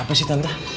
apa sih tante